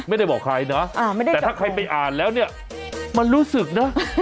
ไม่ได้บอกใครนะแต่ถ้าใครไปอ่านแล้วเนี่ยมันรู้สึกนะ